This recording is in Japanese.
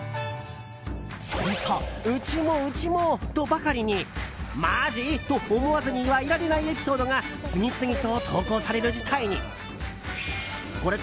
するとうちも、うちも！とばかりにマジ！？と思わずにはいられないエピソードが次々と投稿される事態に。